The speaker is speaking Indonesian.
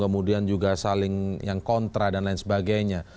kemudian juga saling yang kontra dan lain sebagainya